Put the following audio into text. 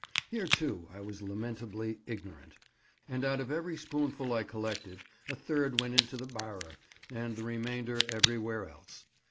Here, too, I was lamentably ignorant, and out of every spoonful I collected a third went into the "barrer" and the remainder everywhere else.